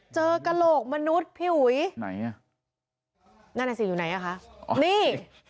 กระโหลกมนุษย์พี่อุ๋ยไหนอ่ะนั่นน่ะสิอยู่ไหนอ่ะคะนี่